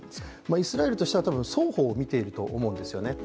イスラエルとしては双方をみていると思うんですよね。